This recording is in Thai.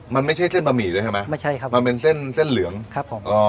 มันไม่ใช่เส้นบะหมี่ด้วยใช่ไหมไม่ใช่ครับมันเป็นเส้นเส้นเหลืองครับผมอ๋อ